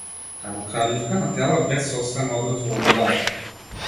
Како крадливка на тела, без сопствен одраз во огледалото.